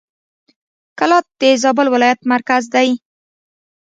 کلات د زابل ولایت مرکز دی.